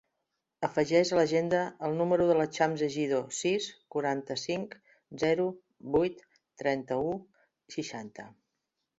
Afegeix a l'agenda el número de la Chams Egido: sis, quaranta-cinc, zero, vuit, trenta-u, seixanta.